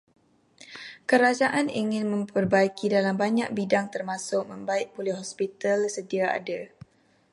Kerajaan ingin memperbaiki dalam banyak bidang termasuk membaik pulih hospital sedia ada.